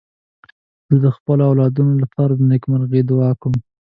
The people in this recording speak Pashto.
زه د خپلو اولادونو لپاره د نېکمرغۍ دعا کوم.